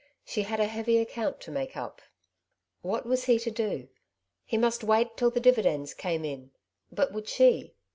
She had a heavy accoont to make up. What was he to do ? He must wait till the divi dends came in, but would she